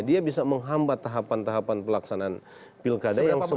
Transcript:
dia bisa menghambat tahapan tahapan pelaksanaan pilkada yang sebelumnya